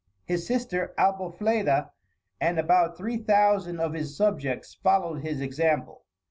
His sister Albofleda, and about three thousand of his subjects, followed his example.